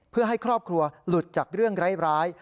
เพื่อให้ครอบครัวหลุดจากเรื่องร้าย